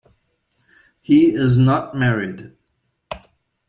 He is not married.